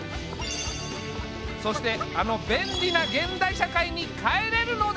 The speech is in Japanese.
そしてあの便利な現代社会に帰れるのだろうか？